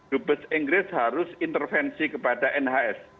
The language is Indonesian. dut besar inggris harus intervensi kepada nhs